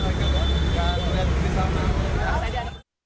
iya ke depan aja